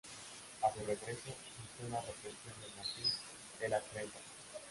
A su regreso luchó en la represión del Motín de las Trenzas.